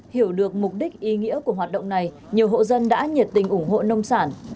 hiểu được mục đích ý nghĩa của hoạt động này nhiều hộ dân đã nhiệt tình ủng hộ nông sản